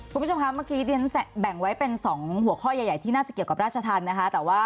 คุณผู้ชมครับมาเกมไปเป็น๒หัวข้อใหญ่ที่น่าจะเกี่ยวกับราชธรรมดินะคะ